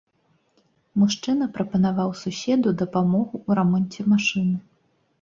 Мужчына прапанаваў суседу дапамогу ў рамонце машыны.